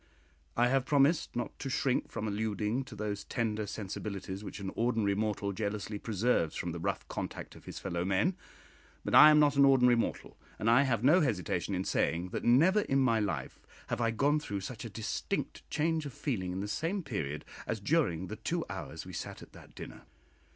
I have promised not to shrink from alluding to those tender sensibilities which an ordinary mortal jealously preserves from the rough contact of his fellow men; but I am not an ordinary mortal, and I have no hesitation in saying, that never in my life have I gone through such a distinct change of feeling in the same period as during the two hours we sat at that dinner.